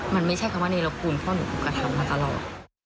มันไม่ใช่คำว่าเนียรคุมพ่อหนูคุกกระทำมาตลอด